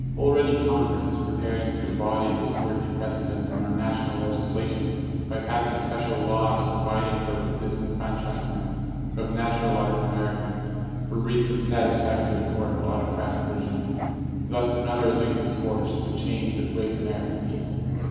Already Congress is preparing to embody this worthy precedent in our national legislation by passing special laws providing for the disenfranchisement of naturalized Americans for reasons satisfactory to our autocratic regime. Thus another link is forged to chain the great American people.